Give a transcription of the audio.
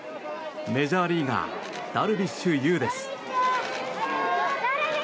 メジャーリーガーダルビッシュ有です。